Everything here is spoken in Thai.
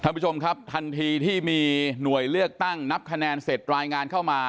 ท่านผู้ชมครับทันทีที่มีหน่วยเลือกตั้งนับคะแนนเสร็จรายงานเข้ามา